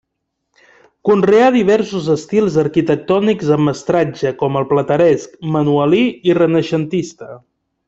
Conreà diversos estils arquitectònics amb mestratge com el plateresc, manuelí i renaixentista.